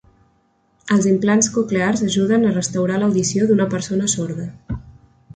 Els implants coclears ajuden a restaurar l'audició d'una persona sorda.